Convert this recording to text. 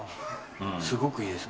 すごくいいです。